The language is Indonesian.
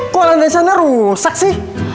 kok landasan rusak sih